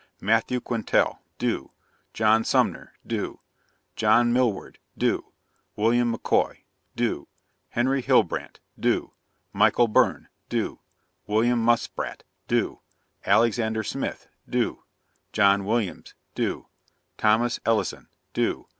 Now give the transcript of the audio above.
MATTHEW QUINTAL } do. JOHN SUMNER } do. JOHN MILLWARD } do. WILLIAM M'KOY } do. HENRY HILLBRANT } do. MICHAEL BYRNE } do. WILLIAM MUSPRATT } do. ALEXANDER SMITH } do. JOHN WILLIAMS } do. THOMAS ELLISON } do.